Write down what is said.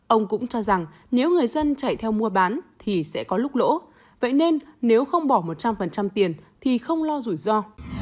ông cũng cho rằng nếu người dân chạy theo mua bán thì sẽ có lúc lỗ vậy nên nếu không bỏ một trăm linh tiền thì không lo rủi ro